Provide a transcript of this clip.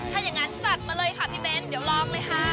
ถ้าอย่างนั้นจัดมาเลยค่ะพี่เบ้นเดี๋ยวลองเลยค่ะ